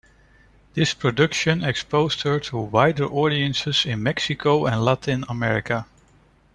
This production exposed her to wider audiences in Mexico and Latin America.